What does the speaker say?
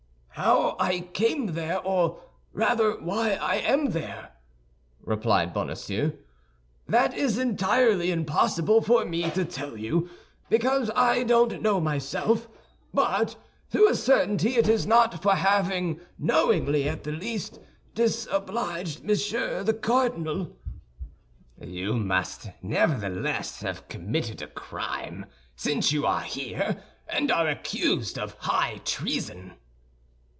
"How I came there, or rather why I am there," replied Bonacieux, "that is entirely impossible for me to tell you, because I don't know myself; but to a certainty it is not for having, knowingly at least, disobliged Monsieur the Cardinal." "You must, nevertheless, have committed a crime, since you are here and are accused of high treason."